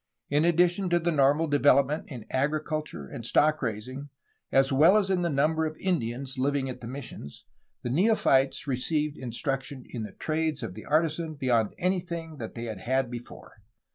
In addition to the normal development in agriculture and stock raising as well as in the number of Indians living at the missions, the neophytes received instruction in the trades of the artisan beyond anything they had had before.